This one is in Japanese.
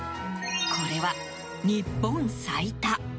これは日本最多。